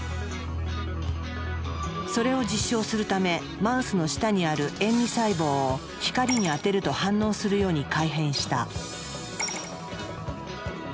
それを実証するためマウスの舌にある塩味細胞を光に当てると反応するように改変した。